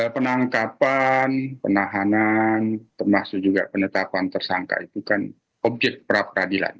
penangkapan penahanan termasuk juga penetapan tersangka itu kan objek pra peradilan